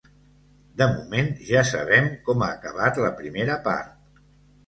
De moment, ja sabem com ha acabat la primera part.